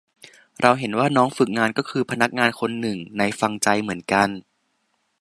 เราเห็นว่าน้องฝึกงานก็คือพนักงานคนหนึ่งในฟังใจเหมือนกัน